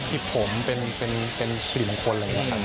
ผมเป็นสิริมงคลอะไรอย่างนี้ครับ